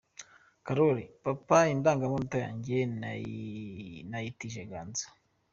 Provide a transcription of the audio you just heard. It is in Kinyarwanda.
Karoli: papa indangamanota yanjye nayitije Ganza.